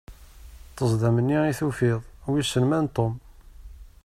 Ṭṭezdam-nni i tufiḍ, wissen ma n Tom?